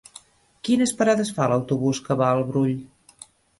Quines parades fa l'autobús que va al Brull?